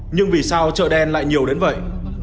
nhưng vì sao chợ đen lại nhiều đến vậy